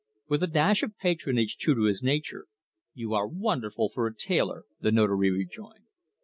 With a dash of patronage true to his nature, "You are wonderful for a tailor," the Notary rejoined.